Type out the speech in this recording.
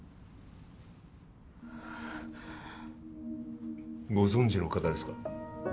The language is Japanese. ああご存じの方ですか？